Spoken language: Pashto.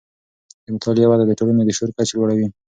د مطالعې وده د ټولنې د شعور کچې لوړوي.